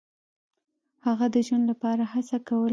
هغه د ژوند لپاره هڅه کوله.